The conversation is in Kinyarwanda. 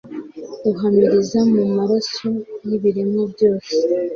Uhamiriza mu maso y'ibiremwa byose,